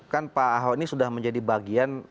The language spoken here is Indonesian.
kan pak ahok ini sudah menjadi bagian